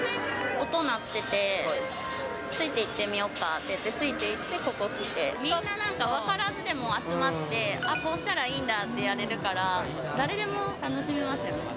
音鳴ってて、ついていってみようかって言って、ついていってここ来て、みんななんか、分からずでも集まって、あっ、こうしたらいいんだって、やれるから、誰でも楽しめますよね。